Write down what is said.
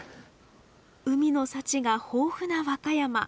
海の幸が豊富な和歌山。